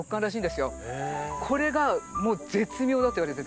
これがもう絶妙だといわれてて。